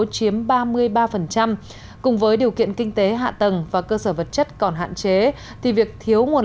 chiếm ba mươi ba cùng với điều kiện kinh tế hạ tầng và cơ sở vật chất còn hạn chế thì việc thiếu nguồn